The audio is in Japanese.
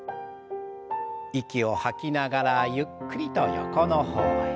息を吐きながらゆっくりと横の方へ。